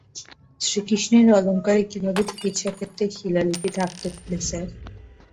শ্রীকৃষ্ণের অলঙ্কারে কীভাবে চিকিৎসাক্ষেত্রের শিলালিপি থাকতে পারে স্যার?